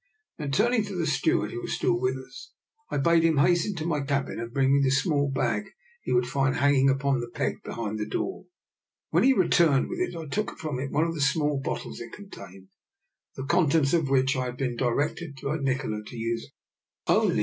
Then turning to the steward, who was still with us, I bade him hasten to my cabin and bring me the small bag he would find hanging upon the peg behind the door. When he re turned with it I took from it one of the small bottles it contained, the contents of which I had been directed by Nikola to use only in 94 DR.